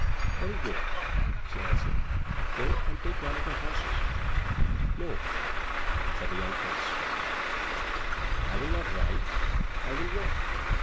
"Very good," she answered; "go, and take one of the horses." "No," said the young prince, "I will not ride, I will walk."